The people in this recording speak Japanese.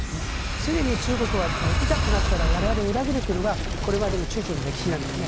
常に中国はいざとなったら我々を裏切るというのがこれまでの中朝の歴史なんですね。